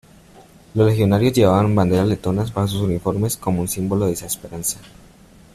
Los legionarios llevaban banderas letonas bajo sus uniformes como un símbolo de esa esperanza.